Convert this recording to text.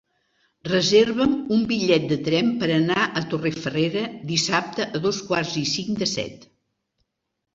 Reserva'm un bitllet de tren per anar a Torrefarrera dissabte a dos quarts i cinc de set.